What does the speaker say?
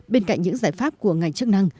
bên cạnh những giải pháp của ngành chức năng